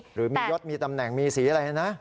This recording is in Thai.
หรือมียศมีตำแหน่งมีสีอะไรนะ